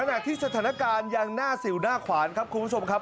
ขณะที่สถานการณ์ยังหน้าสิวหน้าขวานครับคุณผู้ชมครับ